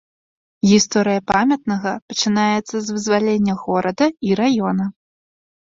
Гісторыя памятнага пачынаецца з вызвалення горада і раёна.